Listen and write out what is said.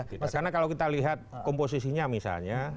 karena kalau kita lihat komposisinya misalnya